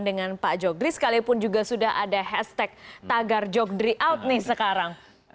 dengan pak jogris sekalipun juga sudah ada hashtag tagar jogdry out nih sekarang